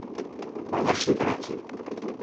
Baina ez zuten etsi.